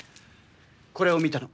これを見たの。